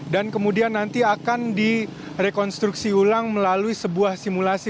dan kemudian nanti akan direkonstruksi ulang melalui sebuah simulasi